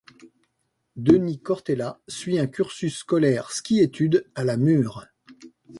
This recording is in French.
Denis Cortella suit un cursus scolaire ski-études à La Mure.